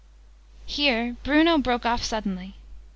Here Bruno broke off suddenly.